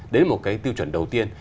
đến một tiêu chuẩn đầu tiên